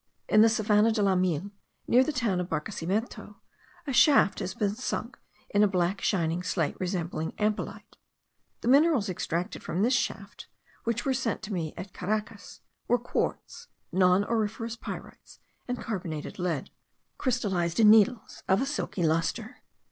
In the Savana de la Miel, near the town of Barquesimeto, a shaft has been sunk in a black shining slate resembling ampelite. The minerals extracted from this shaft, which were sent to me at Caracas, were quartz, non auriferous pyrites, and carbonated lead, crystallized in needles of a silky lustre.